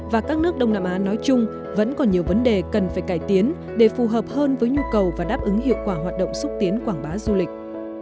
và các nước đông nam á nói chung vẫn còn nhiều vấn đề cần phải cải tiến để phù hợp hơn với nhu cầu và đáp ứng hiệu quả hoạt động xúc tiến quảng bá du lịch